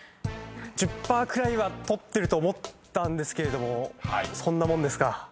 １０％くらいは取ってると思ったんですけれどもそんなもんですか。